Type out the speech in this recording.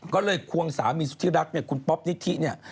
ก็เลยควงสามีสุธิรักเนี่ยคุณป๊อปนิธิเนี่ย